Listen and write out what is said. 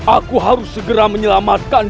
aku harus segera menyelamatkan